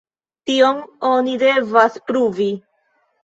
Tion oni devas pruvi.